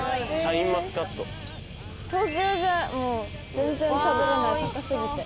東京じゃもう全然食べれない高過ぎて。